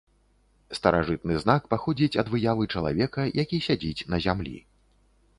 Старажытны знак паходзіць ад выявы чалавека, які сядзіць на зямлі.